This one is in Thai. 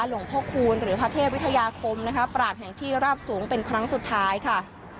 หลวงพ่อคูณหรือพระเทพวิทยาคมนะคะปราศแห่งที่ราบสูงเป็นครั้งสุดท้ายค่ะ